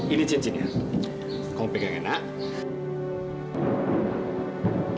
ini cincinnya kamu pegangnya nak